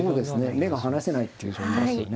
目が離せないっていう展開ですね。